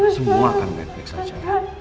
semua akan baik baik saja